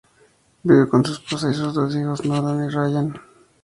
Vive con su esposa y sus dos hijastros, Nolan y Ryan, en Pasadena, California.